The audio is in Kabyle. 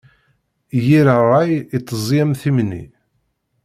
Yir ṛṛay itezzi am timni.